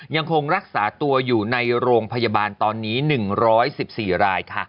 ยังคงรักษาตัวอยู่ในโรงพยาบาลตอนนี้๑๑๔รายค่ะ